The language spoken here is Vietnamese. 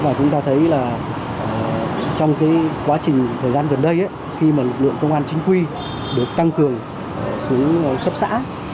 và chúng ta thấy là trong quá trình thời gian gần đây khi mà lực lượng công an chính quy được tăng cường xuống cấp xã